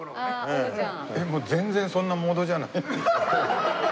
えっもう全然そんなモードじゃない。